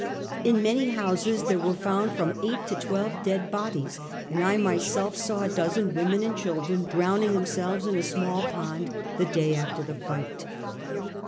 In many houses there were from eight to twelve dead bodies, and I myself saw a dozen women and children drown ing themselves in a small pond, the day after the fight.